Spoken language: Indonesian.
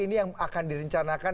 ini yang akan direncanakan